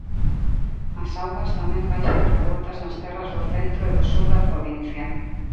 As augas tamén baixan revoltas nas terras do centro e do sur da provincia.